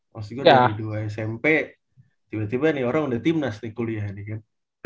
maksud gue dari dua smp tiba tiba nih orang udah timnas kuliah nih kan